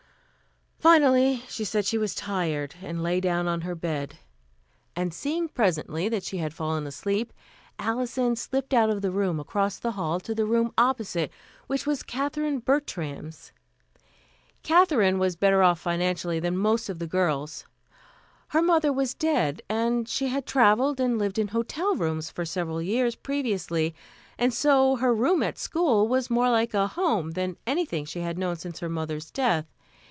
Finally she said she was tired and lay down on her bed; and seeing presently that she had fallen asleep, Alison slipped out of the room across the hall to the room opposite, which was Katherine Bertram's. Katherine was better off financially than most of the girls. Her mother was dead and she had traveled and lived in hotel rooms for several years previously, and so her room at school was more like a home than anything she had known since her mother's death.